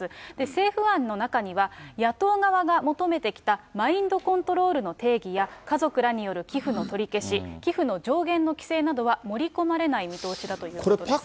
政府案の中には、野党側が求めてきたマインドコントロールの定義や、家族らによる寄付の取り消し、寄付の上限の規制などは盛り込まれない見通しだということです。